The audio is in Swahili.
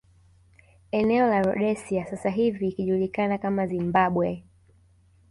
Eneo la Rhodesia sasa hivi ikijulikana kama Zimbabwe